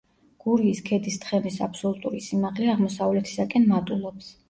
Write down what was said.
გურიის ქედის თხემის აბსოლუტური სიმაღლე აღმოსავლეთისაკენ მატულობს.